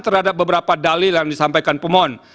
terhadap beberapa dalil yang disampaikan pemohon